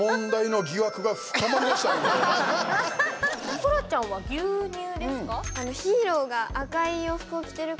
そらちゃんは牛乳ですか？